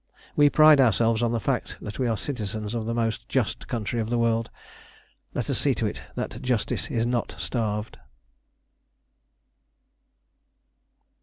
We pride ourselves on the fact that we are citizens of the most just country of the world. Let us see to it that justice is not starved.